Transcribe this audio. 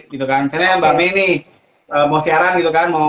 misalnya mbak meni mau siaran gitu kan